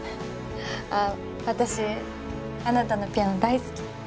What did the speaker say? あっ私あなたのピアノ大好き。